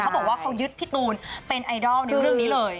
บอกว่าเขายึดพี่ตูนเป็นไอดอลในเรื่องนี้เลย